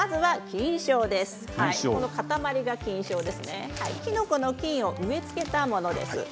キノコの菌を植え付けたものです。